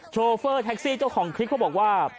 โชเฟอร์แท็กซี่เจ้าของคลิปเขาบอกว่า